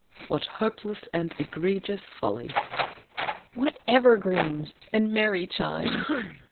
(What hopeless and egregious folly!) What evergreens and merry chimes!